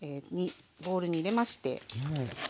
ボウルに入れまして。